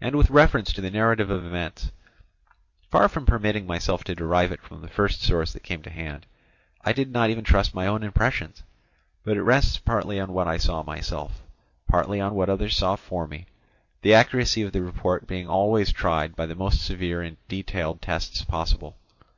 And with reference to the narrative of events, far from permitting myself to derive it from the first source that came to hand, I did not even trust my own impressions, but it rests partly on what I saw myself, partly on what others saw for me, the accuracy of the report being always tried by the most severe and detailed tests possible.